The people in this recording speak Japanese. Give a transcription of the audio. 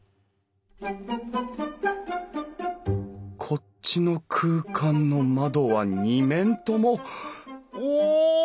こっちの空間の窓は２面ともお！